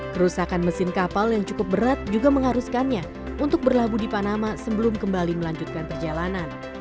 kerusakan mesin kapal yang cukup berat juga mengharuskannya untuk berlabuh di panama sebelum kembali melanjutkan perjalanan